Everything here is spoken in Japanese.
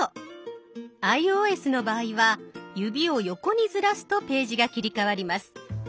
ｉＯＳの場合は指を横にずらすとページが切り替わります。